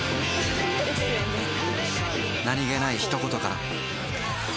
何気ない一言から